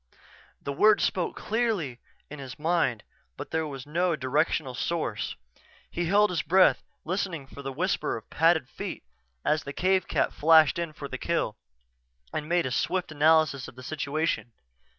_" The words spoke clearly in his mind but there was no directional source. He held his breath, listening for the whisper of padded feet as the cave cat flashed in for the kill, and made a swift analysis of the situation.